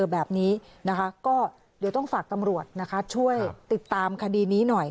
แบบนี้นะคะก็เดี๋ยวต้องฝากตำรวจนะคะช่วยติดตามคดีนี้หน่อย